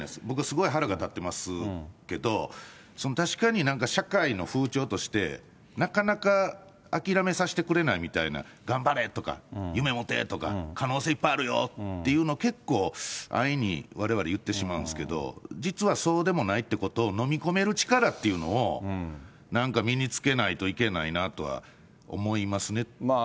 僕はすごい腹が立ってますけど、確かに社会の風潮として、なかなか諦めさせてくれないみたいな、頑張れとか、夢持てとか、可能性いっぱいあるよっていうの、結構、安易にわれわれ、言ってしまうんですけど、実は、そうでもないってことを飲み込める力っていうのを、なんか身につけないといけないなとは思いますね。